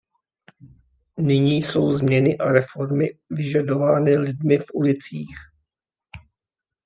Nyní jsou změny a reformy vyžadovány lidmi v ulicích.